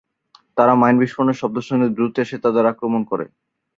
তারা মাইন বিস্ফোরণের শব্দ শুনে দ্রুত এসে তাদের আক্রমণ করে।